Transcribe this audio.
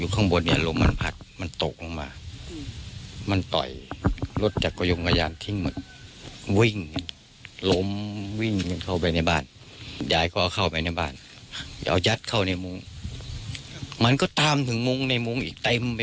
ขนาดแล้วมันแตก